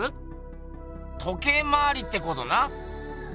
時計回りってことな。